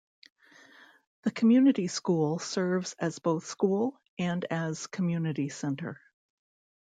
The Community school serves as both school and as community centre.